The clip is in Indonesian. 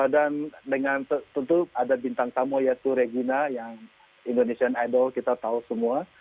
dan dengan tentu ada bintang tamu yaitu regina yang indonesian idol kita tahu semua